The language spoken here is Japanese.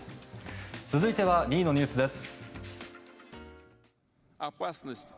続いては２位のニュースです。